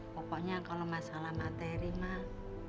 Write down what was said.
pokoknya kalau masalah materi mah